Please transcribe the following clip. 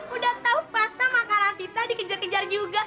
udah tau puasa makan ratita dikejar kejar juga